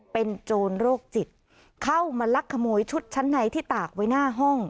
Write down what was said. เป็นโจรโรคจิตเข้ามาลักขโมยชุดชั้นในที่ตากไว้หน้าห้อง